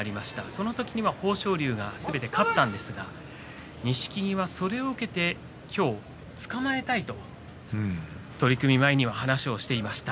その時は豊昇龍がすべて勝ったんですが錦木は、それを受けて今日、つかまえたいと取組前に話をしていました。